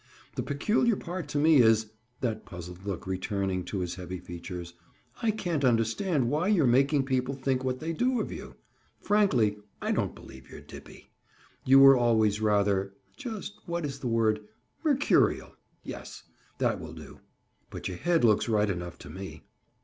The peculiar part to me is," that puzzled look returning to his heavy features, "I can't understand why you're making people think what they do of you? Frankly, I don't believe you're 'dippy.' You were always rather—just what is the word?—'mercurial'—yes; that will do. But your head looks right enough to me."